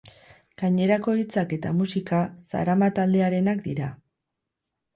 Gainerako hitzak eta musika Zarama taldearenak dira.